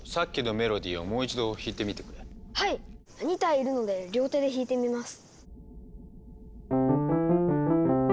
２体いるので両手で弾いてみます。